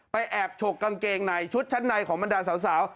แอบฉกกางเกงในชุดชั้นในของบรรดาสาว